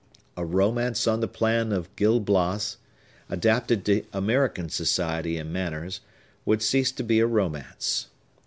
A romance on the plan of Gil Blas, adapted to American society and manners, would cease to be a romance.